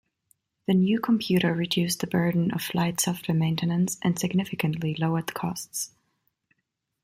The new computer reduced the burden of flight software maintenance and significantly lowered costs.